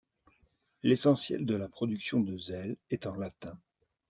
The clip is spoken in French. L’essentiel de la production de Zell est en latin.